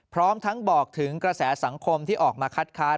พร้อมทั้งบอกถึงกระแสสังคมที่ออกมาคัดค้าน